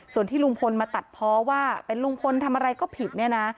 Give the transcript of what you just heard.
ส่วนที่ลุงพลมาตัดเพราะว่าเป็นลุงพลทำอะไรก็ผิดเนี่ยนะ